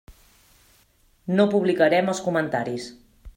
No publicarem els comentaris.